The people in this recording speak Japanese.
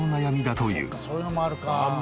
そういうのもあるか。